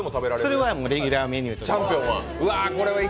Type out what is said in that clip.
それはレギュラーメニューです。